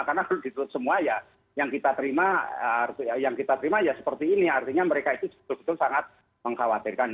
karena ditutup semua ya yang kita terima ya seperti ini artinya mereka itu betul betul sangat mengkhawatirkan